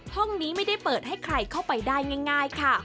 ห้องนี้ไม่ได้เปิดให้ใครเข้าไปได้ง่ายค่ะ